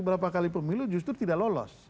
berapa kali pemilu justru tidak lolos